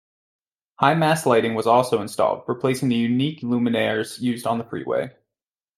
High-mast lighting was also installed, replacing the unique luminaires used on the freeway.